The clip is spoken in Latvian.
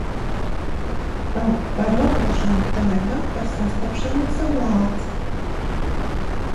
Par ogošanu taigā, par sastapšanos ar lāci.